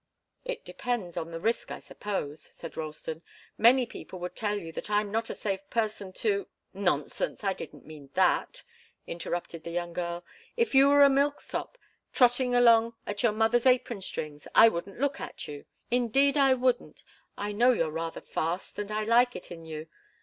"It depends on the risk, I suppose," said Ralston. "Many people would tell you that I'm not a safe person to " "Nonsense! I didn't mean that," interrupted the young girl. "If you were a milksop, trotting along at your mother's apron strings, I wouldn't look at you. Indeed, I wouldn't! I know you're rather fast, and I like it in you.